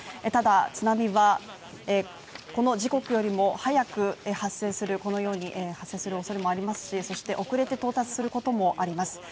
ただ、津波はこの時刻よりも早くに発生するおそれもありますしそして遅れて到達することもあります。